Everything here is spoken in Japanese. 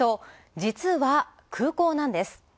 実は、空港なんです。